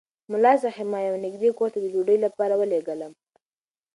ملا صاحب ما یو نږدې کور ته د ډوډۍ لپاره ولېږلم.